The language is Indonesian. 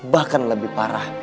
bahkan lebih parah